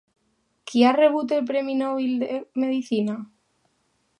Qui ha rebut el premi Nobel de medicina?